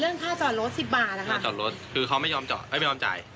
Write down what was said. ค่าจอดรถสิบบาทนะคะค่าจอดรถคือเขาไม่ยอมจอดไม่ยอมจ่าย